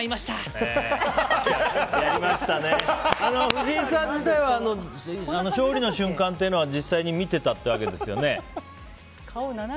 藤井さん自体は、勝利の瞬間を実際に見ていたってわけですよね。